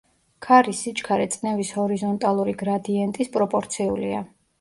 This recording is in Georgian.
ქარის სიჩქარე წნევის ჰორიზონტალური გრადიენტის პროპორციულია.